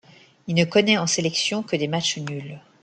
Il ne connaît en sélection que des matchs nuls.